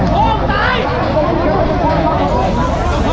สวัสดีครับทุกคน